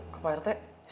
ke pak rt